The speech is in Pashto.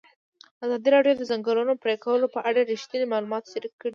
ازادي راډیو د د ځنګلونو پرېکول په اړه رښتیني معلومات شریک کړي.